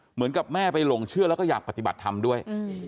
เหมือนกับแม่ไปหลงเชื่อแล้วก็อยากปฏิบัติธรรมด้วย